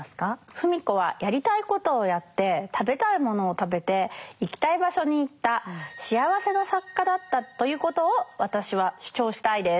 芙美子はやりたいことをやって食べたいものを食べて行きたい場所に行った「幸せな作家」だったということを私は主張したいです。